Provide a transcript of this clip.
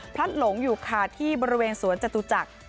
หลงอยู่ค่ะที่บริเวณสวนจตุจักร